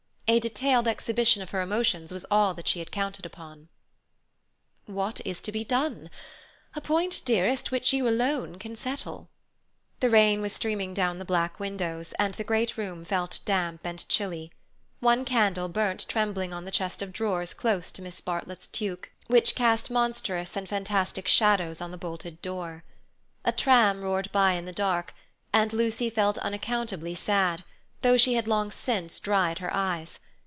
A detailed exhibition of her emotions was all that she had counted upon. "What is to be done? A point, dearest, which you alone can settle." The rain was streaming down the black windows, and the great room felt damp and chilly, One candle burnt trembling on the chest of drawers close to Miss Bartlett's toque, which cast monstrous and fantastic shadows on the bolted door. A tram roared by in the dark, and Lucy felt unaccountably sad, though she had long since dried her eyes.